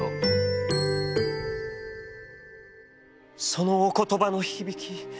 「そのお言葉の響き